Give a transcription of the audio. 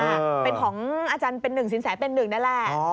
เป็นของอาจารย์เป็นหนึ่งสินแสเป็นหนึ่งนั่นแหละ